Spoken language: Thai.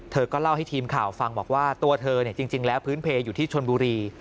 เธอก็เล่าให้ทีมข่าวฟังบอกว่าตัวเธอจริงแล้วพื้นเพลอยู่ที่ชนบุรี